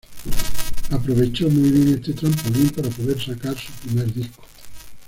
Aprovechó muy bien este trampolín para poder sacar su primer disco.